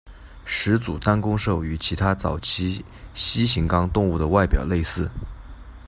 始祖单弓兽与其他早期蜥形纲动物的外表类似。